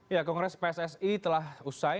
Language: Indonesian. ya kongres pssi telah usai